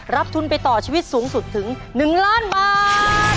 รับทุนไปต่อชีวิตสูงสุดถึง๑๐๐๐๐๐๐บาท